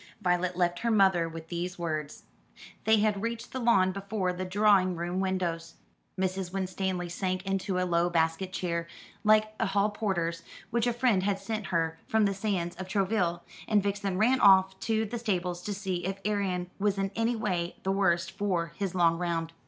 Violet left her mother with these words. They had reached the lawn before the drawing room windows. Mrs. Winstanley sank into a low basket chair, like a hall porter's, which a friend had sent her from the sands of Trouville; and Vixen ran off to the stables to see if Arion was in any way the worse for his long round.